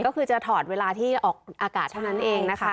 ก็คือจะถอดเวลาที่ออกอากาศเท่านั้นเองนะคะ